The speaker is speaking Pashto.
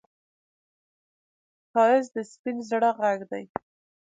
ښایست د سپين زړه غږ دی